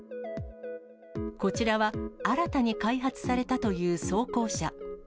こちらは新たに開発されたという装甲車。